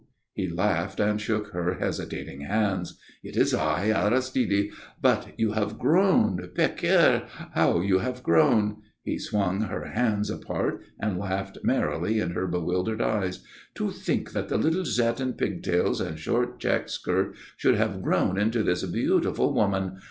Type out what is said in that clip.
He laughed and shook her hesitating hands. "It is I, Aristide. But you have grown! Pécaïre! How you have grown!" He swung her hands apart and laughed merrily in her bewildered eyes. "To think that the little Zette in pigtails and short check skirt should have grown into this beautiful woman!